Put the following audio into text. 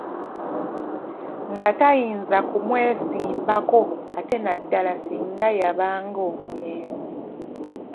Nga tayinza kumwesimbako ate naddala singa yabanga omulenzi.